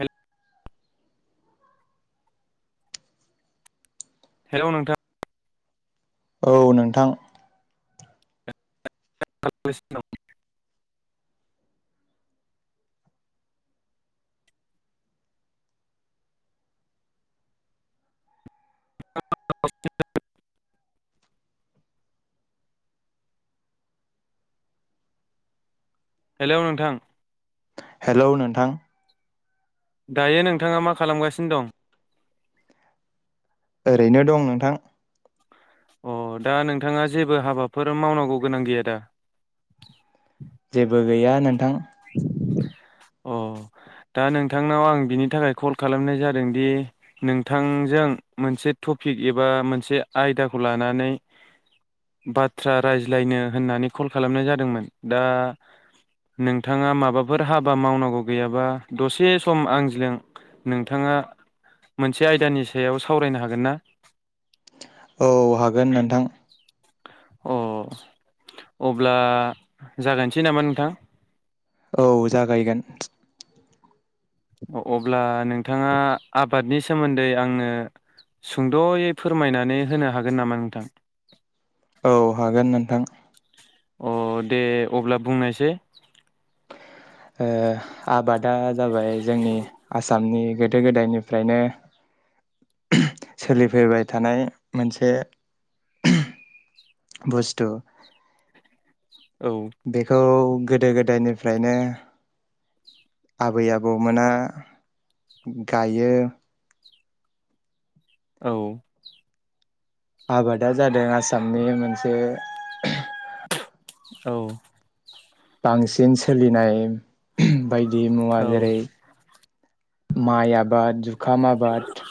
हेल hello नोंथां औ नोंथां [unintelligible] [unintelligible] हेलौ नोंथां हेलौ नोंथां दायो नोंथाङा मा खालामगासिनो दं? ओरैनो दं नोंथां अ दा नोंथाङा जेबो हाबाफोर मावनांगौ गोनां गैया दा? जेबो गैया [inaudible] अ दा नोंथांनाव आं बिनि थाखाय कल खालामनाय जादोंदि नोंथांजों मोनसे टपिक एबा मोनसे आयदाखौ लानानै बाथ्रा रायज्लायनो होननानै कल खालामनाय जादोंमोन दा नोंथाङा माबा फोर हाबा मावनांगौ गैयाबा दसे सम आंजों नोंथाङा मोनसे आयदानि सायाव सावरायनो हागोन ना? हागोन नोंथां अ अब्ला जागायनोसै नामा नोंथां? औ जागायगोन अब्ला नोंथाङा आबादनि सोमोन्दै आंनो सुंद'यै फोरमायनानै होनो हागोन नामा नोंथां? औ हागोन नोंथां। अ दे अब्ला बुंनायसै । ओ आबादा जाबाय जोंनि आसामनि गोदो गोदायनिफ्रायनो सोलिफैबाय थानाय मोनसे बुस्थु । औ बेखौ गोदो गोदायनिफ्रायनो आबै आबौमोना गायो औ आबादा जादों आसामनि मोनसे औ बांसिन सोलिनाय एहम बायदि मुवा औ जेरै माइ आबाद जु खामा आबाद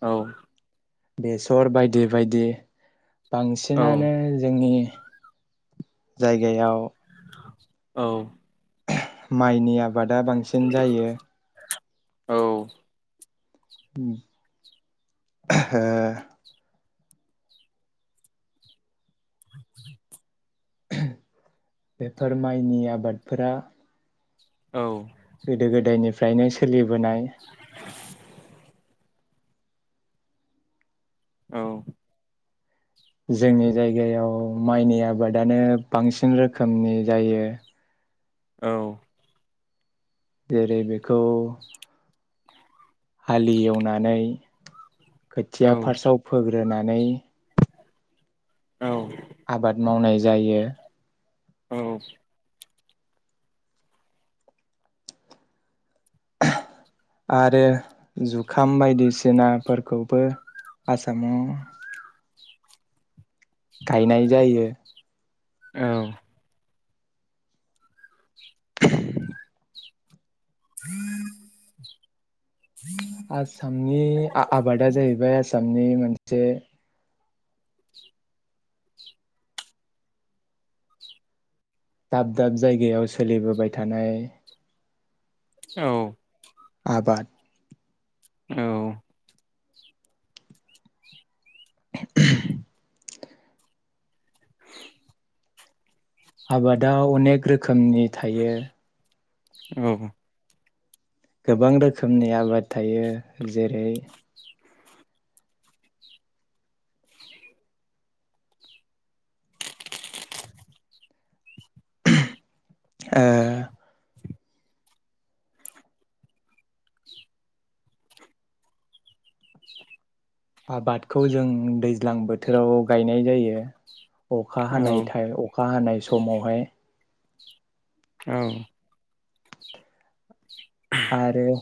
औ बेसर बायदि बायदि। औ बांसिनानो जोंनि जायगायाव औ। माइनि आबादा बांसिन जायो। औ। [unintelligible] [inaudible] बेफोर माइनि आबादफोरा। औ। गोदो [unintelligible] सोलिबोनाय। औ। जोंनि जायगायाव माइनि आबादानो बांसिन रोखोमनि जायो। औ। जेरै बेखौ हालि एवनानै। औ खोथिया फार्स्टआव फोग्रोनाय। नै। औ। आबाद मावनाय जायो। औ। आरो जुखाम बायदिसिनाफोरखौबो आसामाव। गायनाय जायो। औ। [unintelligible] आसामनि आ-आबादा जाहैबाय आसाम। नि मोनसे। दाब दाब जायगायाव सोलिबोबाय थानाय। औ। आबाद। औ। आबादाव अनेक रोखोम। खोमनि थायो। औ। गोबां रोखोमनि आबाद थायो जेरै ओ आबादखौ जों दैज्लां बोथोराव गायनाय जायो। अखा हानाय थाय अखा हानाय समावहाय। औ। आरो।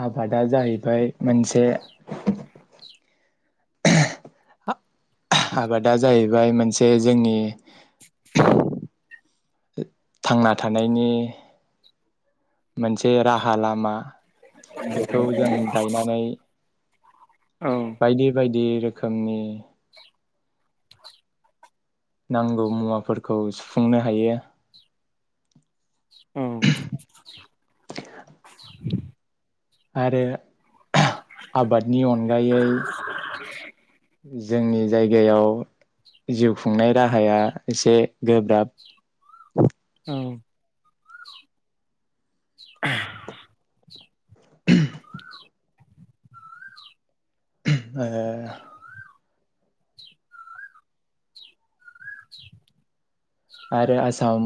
आबादा जाहैबाय मोनसे। आबादा जाहैबाय मोनसे जोंनि। थांना थानायनि मोनसे राहा लामा। बेखौ जों गायनानै। बायदि बायदि रोखोमनि नांगौ मुवाफोरखौ सुफुंनो हायो। औ। [inaudible] आरो आबादनि अनगायै जोंनि जायगायाव जिउ खुंनाय राहाया एसे गोब्राब। [inaudible] ओ आरो आसाम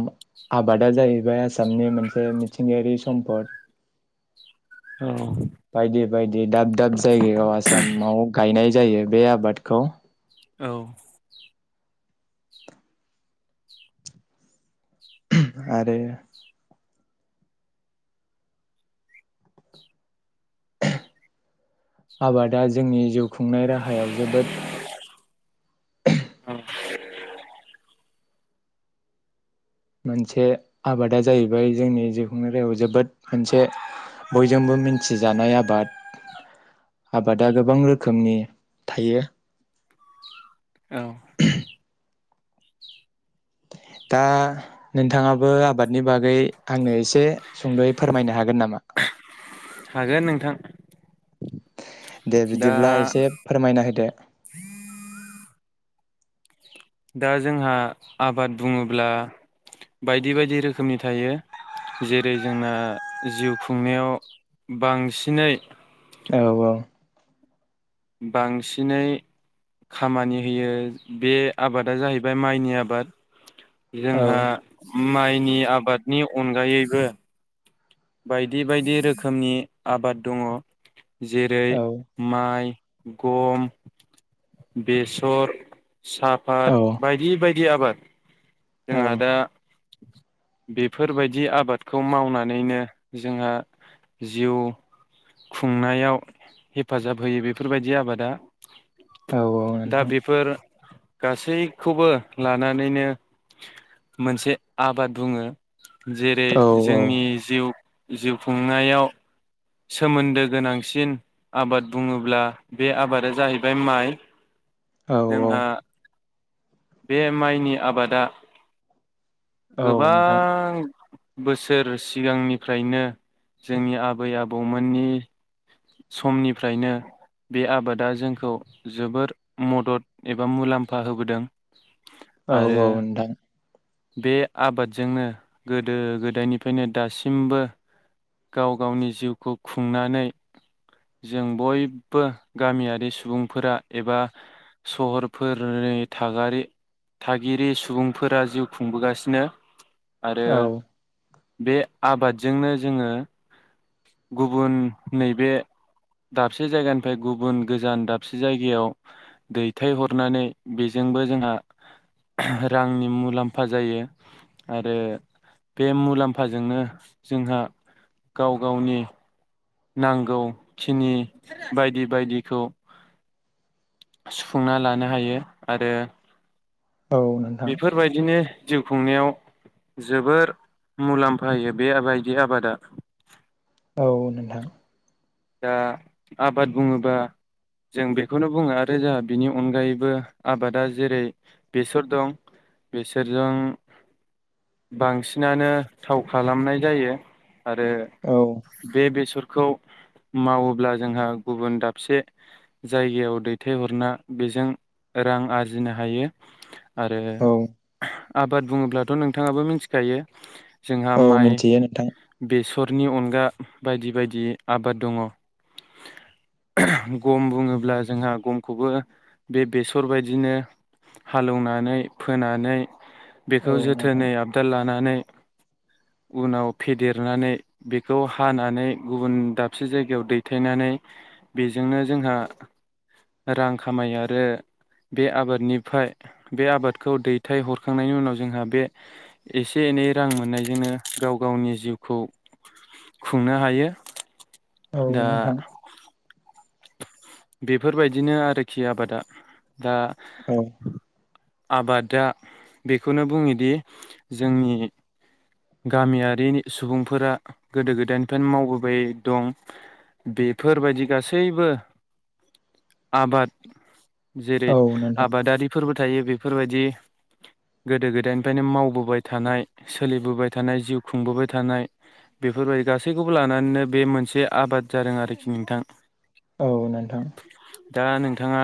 आबादा जाहैबाय आसामनि मोनसे मिथिंगायारि सम्पद। बायदि बायदि दाब दाब जायगायाव आसामाव गायनाय जायो बे आबादखौ। आरो आबादा जोंनि जिउ खुंनाय राहायाव जोबोद मोनसे आबादा जाहैबाय जोंनि जिखुंनाय रायाव जोबोद मोनसे बयजोंबो मिन्थिजानाय आबाद। आबादा गोबां रोखोमनि थायो। औ। दा नोंथाङाबो आबादनि बागै आंनो एसे सुंद'यै फोरमायनो हागोन नामा? हागोन नोंथां। दे दा बिदिब्ला एसे फोरमायना होदो। दा जोंहा आबाद बुङोब्ला बायदि बायदि रोखोमनि थायो, जेरै जोंना जिउ खुंनायाव बांसिनै औ औ। बांसिनै खामानि होयो बे आबादा जाहैबाय माइनि आबाद। औ जोंहा माइनि आबादनि अनगायैबो बायदि बायदि रोखोमनि आबाद दङ। जेरै औ माइ, गम, बेसर औ साफात बायदि बाय दि आबाद। औ जोंहा दा बेफोरबायदि आबादखौ मावनानैनो जोंहा जिउ खुंनायाव हेफाजाब होयो बेफोरबायदि आबादा। औ दा नोंथां बेफोर गासैखौबो लानानैनो मोनसे आबाद बुङो। जेरै औ औ जोंनि जिउ जिउ खुंनायाव सोमोन्दो गोनांसिन आबाद बुङोब्ला बे आबादा जाहैबाय माइ। औ औ जोंहा बे माइनि आबादा औ नोंथां गोबां बोसोर सिगांनिफ्रायनो जोंनि आबै आब बौमोननि समनिफ्रायनो बे आबादा जोंखौ जोबोर मदद एबा मुलाम्फा होबोदों। औ आरो औ नोंथां बे आबादजोंनो गोदो गोदायनिफायनो दासिमबो गाव गावनि जिउखौ खुंनानै जों बयबो गामियारि सुबुंफोरा एबा सहरफोरनि थागारि थागिरि सुबुंफोरा जिउ खुंबोगासिनो आरो औ बे आबादजोंनो जोङो गुबुन नैबे दाबसे जायगानिफाय गुबुन गोजान दाबसे जायगायाव दैथायहरनानै बेजोंबो जोंहा रांनि मुलाम्फा जायो आरो बे मुलाम्फाजोंनो जोंहा गाव गावनि नांगौखिनि बायदि बायदिखौ सुफुंना लानो हायो आरो औ नोंथां बेफोरबायदिनो जिउ खुंनायाव जोबोर मुलाम्फा होयो बे बायदि आबादा औ नोंथां दा आबाद बुङोबा जों बेखौनो बुङो आरो जोंहा बिनि अनगायैबो आबादा जेरै बेसर दं बेसरजों बांसिनानो थाव खालामनाय जायो। आरो औ बे बेस फोरखौ मावोब्ला जोंहा गुबुन दाबसे जायगायाव दैथायहरना बेजों रां आरजिनो हायो। आरो औ आबाद बुङोब्लाथ' नोंथाङाबो मिथिखायो जोंहा औ माइ मिथियो नोंथां बेसरनि अनगा गा बायदि बायदि आबाद दङ गम बुङोब्ला जोंहा गमखौबो बे बेसर बायदिनो हालेवनानै फोनानै औ बेखौ नोंथां जोथोनै आबदाल लानानै उनाव फेदेरनानै बेखौ हानानै गुबुन दाबसे जायगायाव दैथायनानै बेजोंनो जोंहा रां खामायो आरो बे आबादनिफाय बे आबादखौ दैथाय हरखांनायनि उनाव जोंहा बे एसे एनै रां मोननायजोंनो गाव गावनि जिउखौ खुंनो हायो। औ दा नोंथां बेफोरबायदिनो आरोखि आबादा दा औ आबादा बेखौनो बुङोदि जोंनि गामियारिनि सुबुंफोरा गोदो गोदायनिफायनो मावबोबाय दं बेफोरबायदि गासैबो आबाद जेरै औ नोंथां आबादारिफोरबो थायो बेफोरबायदि गोदो गोदायनिफ्रायनो मावबोबाय थानाय सोलिबोबाय थानाय जिउ खुंबोबाय थानाय बेफोरबायदि गासैखौबो लानानैनो बे मोनसे आबाद जादों आरोखि नोंथां औ नोंथां दा नोंथाङा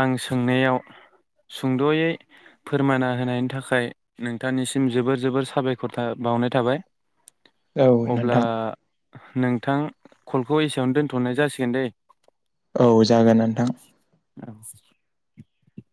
आं सोंनायाव सुंद'यै फोरमायना होनायनि थाखाय नोंथांनिसिम जोबोर जोबोर साबायख खरथा बावनाय थाबाय। औ अब्ला नोंथां नोंथां कलखौ एसेयावनो दोन्थ'नाय जासिगोन दैे औ जागोन नोंथां औ [inaudible]